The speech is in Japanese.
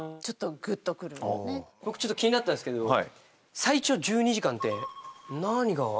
僕ちょっと気になったんですけど「最長１２時間」って何が「最長１２時間」かなと思って。